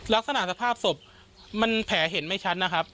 สภาพศพมันแผลเห็นไม่ชัดนะครับ